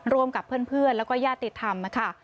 ร่วมกับเพื่อนแล้วก็ญาติธรรมค่ะ